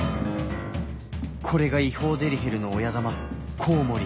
これが違法デリヘルの親玉コウモリ